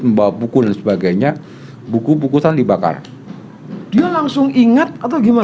membawa buku dan sebagainya buku bukusan dibakar dia langsung ingat atau gimana